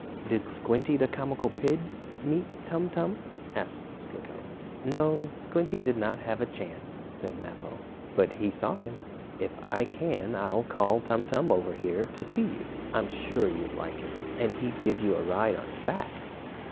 "Did Squinty, the comical pig, meet Tum Tum?" asked Slicko. "No, Squinty did not have a chance," said Mappo, "but he saw him. If I can, I'll call Tum Tum over here to see you. I'm sure you'd like him. And he'd give you a ride on his back."